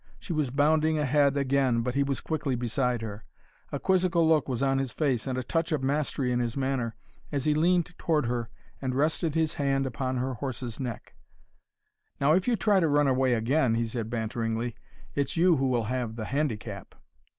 She was bounding ahead again, but he was quickly beside her. A quizzical look was on his face and a touch of mastery in his manner as he leaned toward her and rested his hand upon her horse's neck. "Now, if you try to run away again," he said banteringly, "it's you who will have the handicap!"